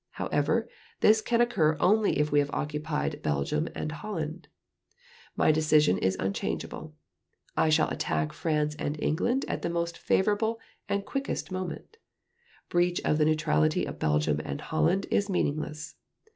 However, this can only occur if we have occupied Belgium and Holland .... My decision is unchangeable; I shall attack France and England at the most favorable and quickest moment. Breach of the neutrality of Belgium and Holland is meaningless.